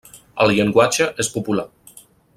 El llenguatge és popular.